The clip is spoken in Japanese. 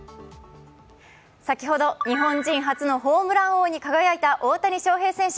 先ほど日本人初のホームラン王に輝いた大谷翔平選手。